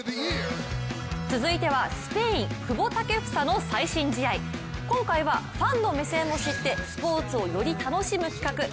続いてはスペイン久保建英の最新試合、今回はファンの目線を知ってスポーツをより楽しむ企画「Ｓ☆ＦＡＮ」